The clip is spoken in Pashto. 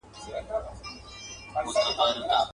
شپې مو په ساحل کې د څپو له وهمه وتښتي.